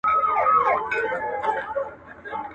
ستا تر پوهي مي خپل نیم عقل په کار دی.